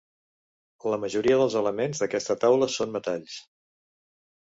La majoria dels elements d'aquesta taula són metalls.